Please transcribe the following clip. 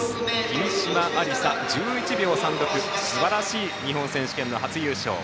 君嶋愛梨沙、１１秒３６すばらしい日本選手権の初優勝。